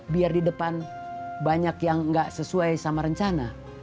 biar di depan banyak yang nggak sesuai sama rencana